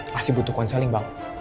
pasti butuh konseling bang